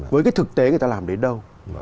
với cái thực tế người ta làm đến đâu